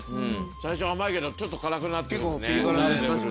最初甘いけどちょっと辛くなって来るね。